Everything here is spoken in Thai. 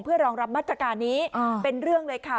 เพื่อรองรับมาตรการนี้เป็นเรื่องเลยค่ะ